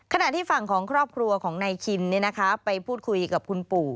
ขณะที่ฝั่งของครอบครัวของนายคินไปพูดคุยกับคุณปู่